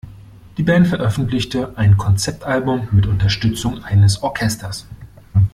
Die Band veröffentlichte ein Konzeptalbum mit Unterstützung eines Orchesters.